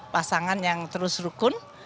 pasangan yang terus rukun